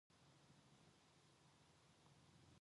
그제야 첫째 어머니는 안심을 하고 문을 열었다.